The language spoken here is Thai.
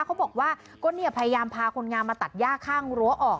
เขาบอกว่าก็เนี่ยพยายามพาคนงามมาตัดย่าข้างรั้วออก